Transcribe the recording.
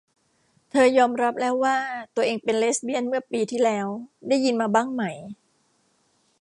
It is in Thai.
เธอยอมรับแล้วว่าตัวเองเป็นเลสเบียนเมื่อปีที่แล้ว ได้ยินมาบ้างไหม ?